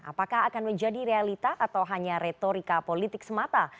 apakah akan menjadi realita atau hanya retorika politik semata